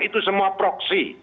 itu semua proksi